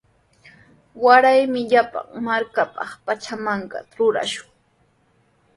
Waraymi llapan markapaq pachamankata rurashun.